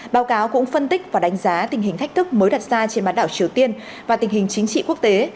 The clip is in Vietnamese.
báo cáo cũng phân tích và đánh giá tình hình thách thức mới đặt ra trên bán đảo triều tiên và tình hình chính trị quốc tế